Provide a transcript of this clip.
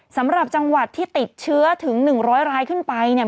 สำหรับจังหวัดที่ติดเชื้อถึง๑๐๐รายขึ้นไปเนี่ย